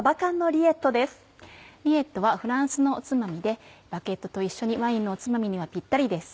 リエットはフランスのおつまみでバゲットと一緒にワインのおつまみにはピッタリです。